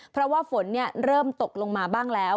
เพราะว่าฝนเริ่มตกลงมาบ้างแล้ว